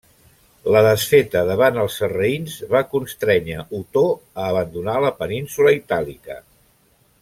La desfeta davant els sarraïns va constrènyer Otó a abandonar la península Itàlica.